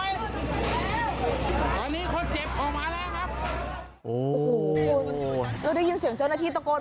เราได้ยินเสียงเจ้าหน้าที่ตกลไหม